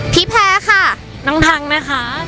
แพ้ค่ะน้องทั้งนะคะ